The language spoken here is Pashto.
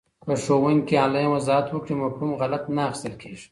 که ښوونکی انلاین وضاحت وکړي، مفهوم غلط نه اخېستل کېږي.